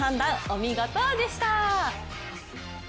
お見事でした。